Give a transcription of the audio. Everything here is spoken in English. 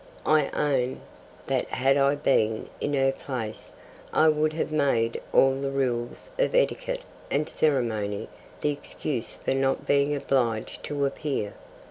I own that had I been in her place I would have made all the rules of etiquette and ceremony the excuse for not being obliged to appear.